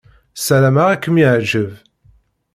Ssarameɣ ad kem-yeɛjeb.